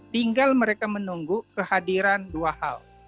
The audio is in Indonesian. tinggal mereka menunggu kehadiran dua hal